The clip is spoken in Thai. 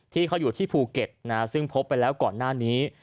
ที่เขาอยู่ที่ภูเก็ตซึ่งพบไปแล้วก่อนหน้านี้